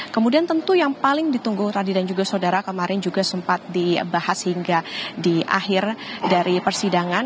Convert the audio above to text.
kemudian tentu yang paling ditunggu radi dan juga saudara kemarin juga sempat dibahas hingga di akhir dari persidangan